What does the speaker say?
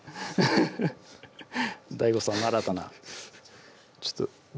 フフフッＤＡＩＧＯさんの新たなちょっとね